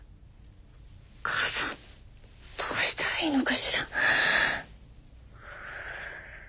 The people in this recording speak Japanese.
母さんどうしたらいいのかしら。